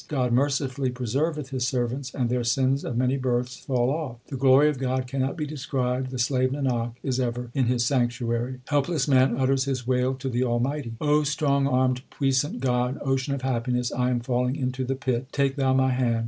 God mercifully preserveth His servants, And their sins of many births fall off. The glory of God cannot be described : The slave Nanak is ever in His sanctuary. Helpless man utters his wail to the Almighty : strong armed puissant God, ocean of happiness, I am falling into the pit ; take Thou my hand.